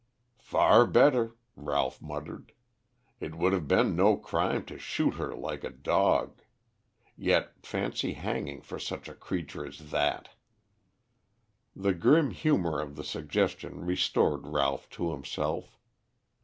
"Far better," Ralph muttered. "It would have been no crime to shoot her like a dog. Yet fancy hanging for such a creature as that!" The grim humor of the suggestion restored Ralph to himself.